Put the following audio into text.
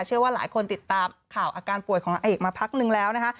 เชื่อว่าหลายคนติดตามข่าวอาการป่วยของอาเอกมาพักนึงแล้วนะคะ